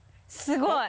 すごい。